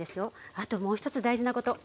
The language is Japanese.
あともう一つ大事なこと。